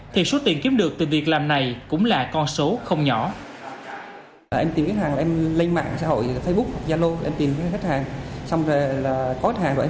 thì số tiền kiếm được từ việc làm này cũng là con số không nhỏ